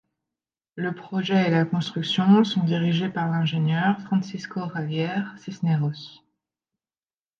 Le projet et la construction sont dirigés par l'ingénieur cubain Francisco Javier Cisneros.